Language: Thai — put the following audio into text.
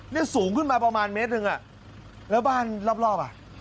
นี่สูงขึ้นมาประมาณเมตรหนึ่งอ่ะแล้วบ้านรอบอ่ะ